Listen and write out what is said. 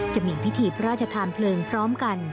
จะมีพิธีพระราชทานเพลิงพร้อมกัน